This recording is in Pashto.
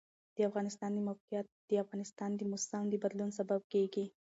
د افغانستان د موقعیت د افغانستان د موسم د بدلون سبب کېږي.